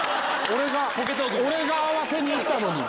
俺が俺が合わせにいったのに。